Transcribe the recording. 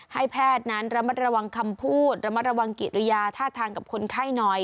ให้แพทย์นั้นระมัดระวังคำพูดระมัดระวังกิริยาท่าทางกับคนไข้หน่อย